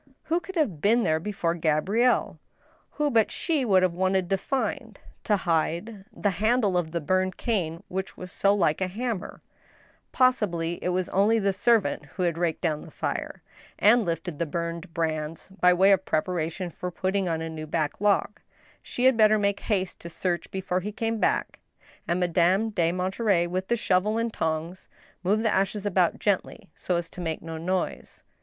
Who could have been there before Gabrielle? Who but she would have wanted to find — to hide — the handle of the burned cane which was so like a hammer ? Possibly it was only the servant, who had raked down the fire, and lifted the burned brands, by way of preparation for putting on a new back log. She had better make haste to search before he* came back ; and Madame de Monterey, with the shovel and tongs, moved the ashes about gently, so as to make no noise.